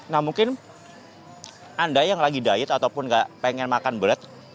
nah mungkin anda yang lagi diet ataupun gak pengen makan berat